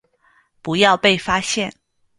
不要被发现